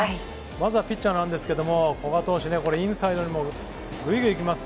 まずはピッチャーなんですけれども、古賀投手、インサイドにぐいぐい行きます。